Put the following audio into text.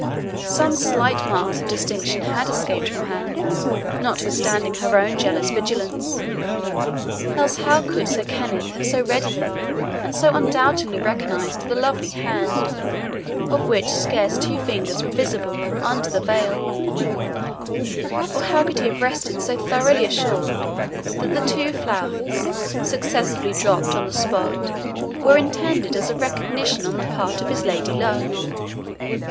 Some slight marks of distinction had escaped from her, notwithstanding her own jealous vigilance, else how could Sir Kenneth have so readily and so undoubtingly recognized the lovely hand, of which scarce two fingers were visible from under the veil, or how could he have rested so thoroughly assured that two flowers, successively dropped on the spot, were intended as a recognition on the part of his lady love?